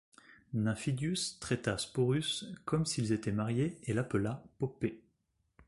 Nymphidius traita Sporus comme s'ils étaient mariés et l'appela Poppée.